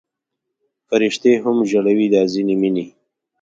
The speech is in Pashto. فرشتې هم ژړوي دا ځینې مینې